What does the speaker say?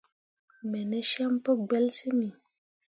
Me ne cem pu gbelsyimmi.